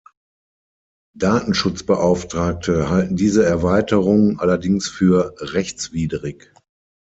Datenschutzbeauftragte halten diese Erweiterung allerdings für rechtswidrig.